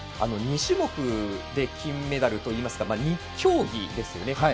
２種目で金メダルというか２競技ですよね。